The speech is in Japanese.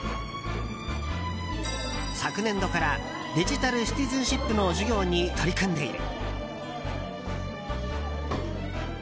昨年度からデジタル・シティズンシップの授業に取り組んでいる。